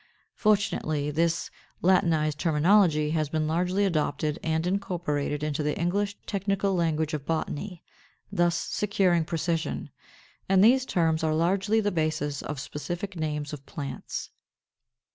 Fortunately, this Latinized terminology has been largely adopted and incorporated into the English technical language of botany, thus securing precision. And these terms are largely the basis of specific names of plants.